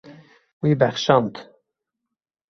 Wî bexşand.